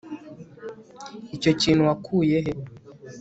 icyo kintu wakuye he